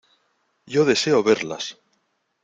¡ yo deseo verlas!